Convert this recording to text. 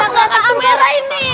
aku lihat amat merah ini